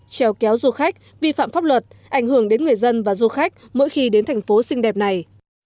treo kéo du khách vi phạm pháp luật ảnh hưởng đến người dân và du khách mỗi khi đến thành phố xinh đẹp này